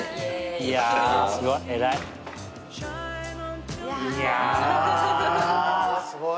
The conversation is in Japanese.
いやすごい。